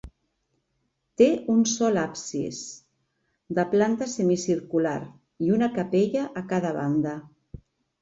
Té un sol absis, de planta semicircular, i una capella a cada banda.